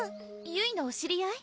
ゆいのお知り合い？